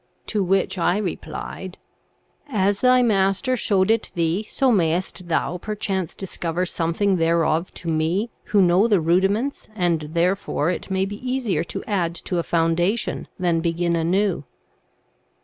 To which I replied, ' As thy master showed it thee so mayest thou perchance discover something thereof to me who know the rudiments, and therefore, it may be easier to add to a foundation than begin anew.'